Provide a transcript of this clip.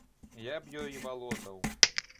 Я б ёй валодаў.